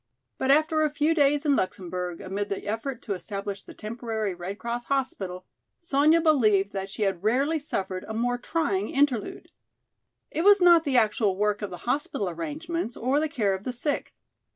But after a few days in Luxemburg, amid the effort to establish the temporary Red Cross hospital, Sonya believed that she had rarely suffered a more trying interlude. It was not the actual work of the hospital arrangements or the care of the sick.